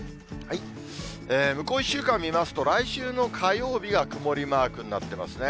向こう１週間見ますと、来週の火曜日が曇りマークになってますね。